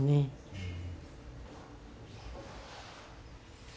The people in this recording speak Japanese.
うん。